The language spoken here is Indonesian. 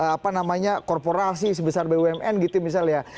apa namanya korporasi sebesar bumn gitu misalnya